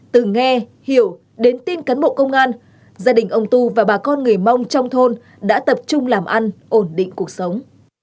từ nghe hiểu đến tin cán bộ công an gia đình ông tu và bà con người mông trong thôn đã tập trung làm ăn ổn định cuộc sống